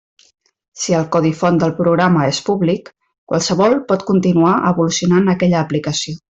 Si el codi font del programa és públic, qualsevol pot continuar evolucionant aquella aplicació.